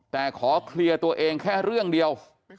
แต่ขอเคลียร์ตัวเองแค่เรื่องเดียว